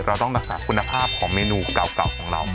เราต้องรักษาคุณภาพของเมนูเก่าของเรา